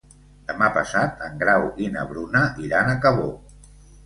Demà passat en Grau i na Bruna iran a Cabó.